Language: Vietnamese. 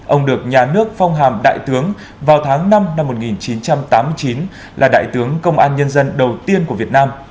ông được nhà nước phong hàm đại tướng vào tháng năm năm một nghìn chín trăm tám mươi chín là đại tướng công an nhân dân đầu tiên của việt nam